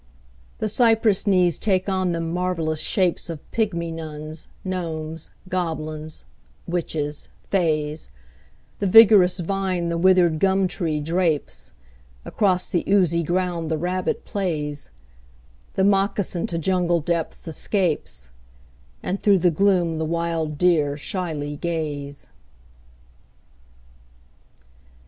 The cypress knees take on them marvellous shapes Of pygmy nuns, gnomes, goblins, witches, fays, The vigorous vine the withered gum tree drapes, Across the oozy ground the rabbit plays, The moccasin to jungle depths escapes, And through the gloom the wild deer shyly gaze.